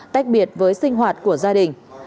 tách biệt với sinh hoạt của gia đình